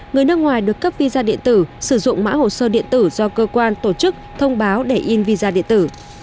người nước ngoài được cấp visa điện tử sử dụng mã hồ sơ điện tử do cơ quan tổ chức thông báo để in visa điện tử